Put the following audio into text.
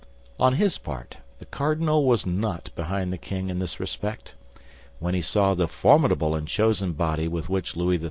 On his part, the cardinal was not behind the king in this respect. When he saw the formidable and chosen body with which Louis XIII.